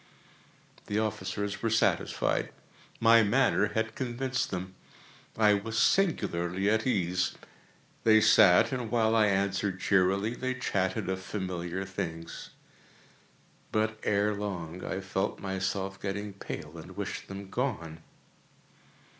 The officers were satisfied. My manner had convinced them. I was singularly at ease. They sat, and while I answered cheerily, they chatted of familiar things. But, ere long, I felt myself getting pale and wished them gone.